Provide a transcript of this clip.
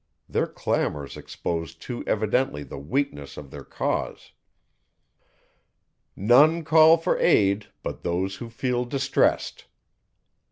Their clamours expose too evidently the weakness of their cause. "None call for aid but those who feel distressed."